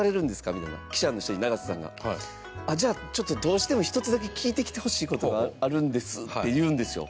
みたいな記者の人に、永瀬さんが。じゃあ、ちょっと、どうしても１つだけ聞いてきてほしい事があるんですって言うんですよ。